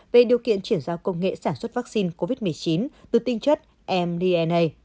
về điều kiện chuyển giao công nghệ sản xuất vaccine covid một mươi chín từ tinh chất mdna